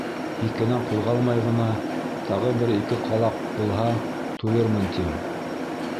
Һикенән ҡуҙғалмай ғына, тағы бер-ике ҡалаҡ булһа, туйырмын, тим.